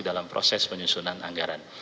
dalam proses penyusunan anggaran